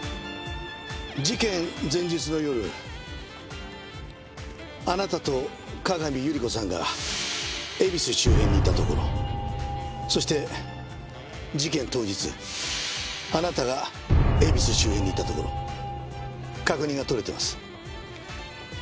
事件前日の夜あなたと各務百合子さんが恵比寿周辺にいたところそして事件当日あなたが恵比寿周辺にいたところ確認が取れてます。